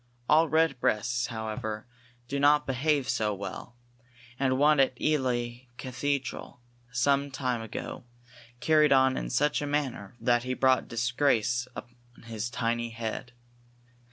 All redbreasts, however, do not behave so well, and one at Ely cathedral some time ago carried on in such a manner that he brought disgrace on his tiny head.